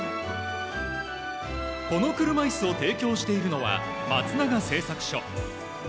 この車いすを提供しているのは松永製作所。